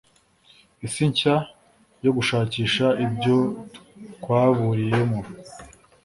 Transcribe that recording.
isi nshya yo gushakisha ibyo twaburiyemo